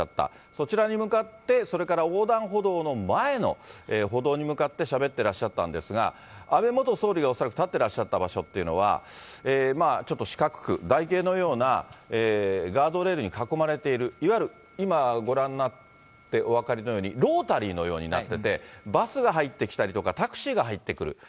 そちらに向かって、それから横断歩道の前の歩道に向かってしゃべってらっしゃったんですが、安倍元総理が恐らく立ってらっしゃった場所というのは、ちょっと四角く、台形のような、ガードレールに囲まれている、いわゆる今、ご覧になってお分かりのように、ロータリーのようになっていて、バスが入ってきたりとか、タクシーが入ってくる。